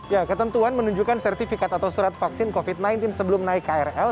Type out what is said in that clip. ya ketentuan menunjukkan sertifikat atau surat vaksin covid sembilan belas sebelum naik krl